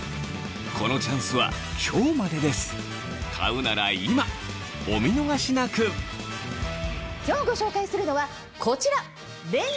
このチャンスは今日までです買うなら今お見逃しなく今日ご紹介するのはこちら！